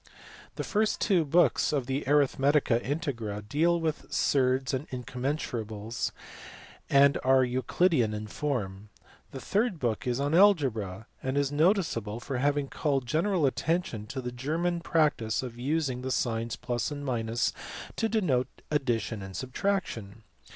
The first two books of the Arithmetica Integra deal with surds and incommensurables, and are Euclidean in form. The third book is on algebra, and is noticeable for having called general attention to the German practice of using the signs + and to denote addition and subtraction.